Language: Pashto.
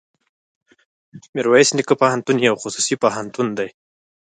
ميرويس نيکه پوهنتون يو خصوصي پوهنتون دی.